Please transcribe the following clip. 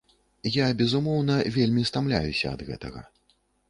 Я, безумоўна, вельмі стамляюся ад гэтага.